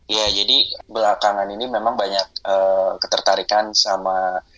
ya jadi belakangan ini memang banyak ketertarikan sama